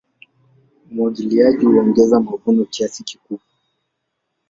Umwagiliaji huongeza mavuno kiasi kikubwa.